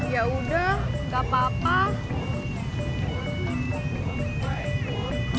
ya udah gak apa apa